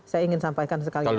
saya ingin sampaikan sekali lagi